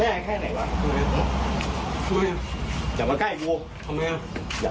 เอาต้องอย่าง